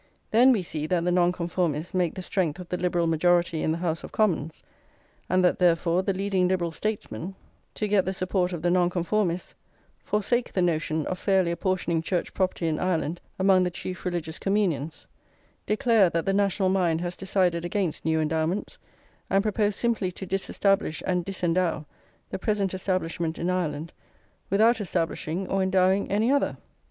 Then we see that the Nonconformists make the strength of the Liberal majority in the House of Commons, and that, therefore, the leading Liberal statesmen, to get the support of the Nonconformists, forsake the notion of fairly apportioning Church property in Ireland among the chief religious communions, declare that the national mind has decided against new endowments, and propose simply to disestablish and disendow the present establishment in Ireland without establishing or endowing any other.